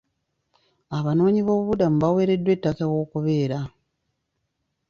Abanoonyiboobubudamu baaweereddwa ettaka ew'okubeera.